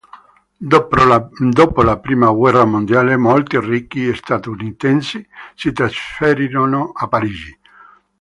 Dopo la prima guerra mondiale molti ricchi statunitensi si trasferirono a Parigi.